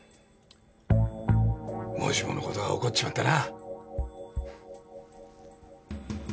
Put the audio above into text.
もしものことが起こっちまったな。